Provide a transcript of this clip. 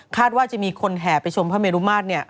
ว่าจะมีคนแห่ไปชมพระเมรุมาตร